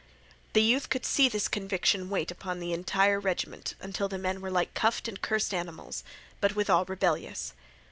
The youth could see this conviction weigh upon the entire regiment until the men were like cuffed and cursed animals, but withal rebellious.